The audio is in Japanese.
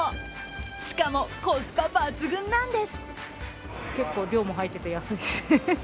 しかも、コスパ抜群なんです。